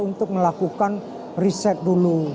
untuk melakukan riset dulu